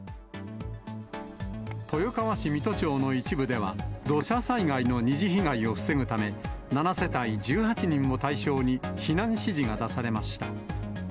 豊川市御津町の一部では、土砂災害の二次被害を防ぐため、７世帯１８人を対象に、避難指示が出されました。